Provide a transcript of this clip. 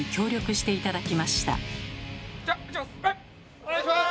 お願いします！